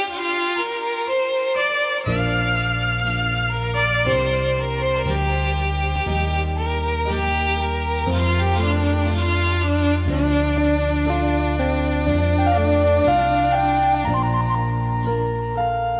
ขอบคุณครับ